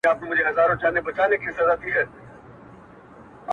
د پامیر لوري یه د ښکلي اریانا لوري